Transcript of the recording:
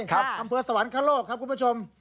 อำเภอสวรรคโลกครับคุณผู้ชม